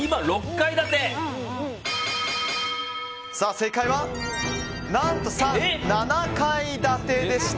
正解は何と３、７階建てでした。